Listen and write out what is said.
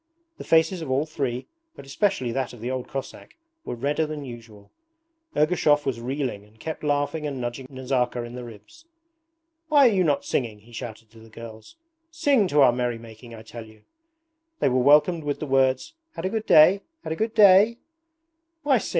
The faces of all three, but especially that of the old Cossack, were redder than usual. Ergushov was reeling and kept laughing and nudging Nazarka in the ribs. 'Why are you not singing?' he shouted to the girls. 'Sing to our merry making, I tell you!' They were welcomed with the words, 'Had a good day? Had a good day?' 'Why sing?